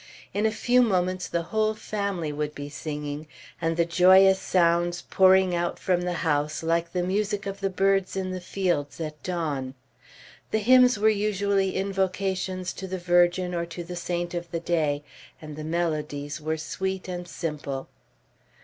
In a few moments the whole family would be singing, and the joyous sounds pouring out from the house like the music of the birds in the fields at dawn. The hymns were usually invocations to the Virgin, or to the saint of the day, and the melodies were sweet and simple.